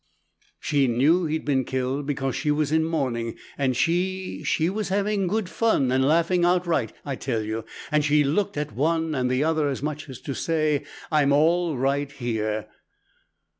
"She knew he'd been killed because she was in mourning. And she, she was having good fun, and laughing outright, I tell you and she looked at one and the other as much as to say, 'I'm all right here!'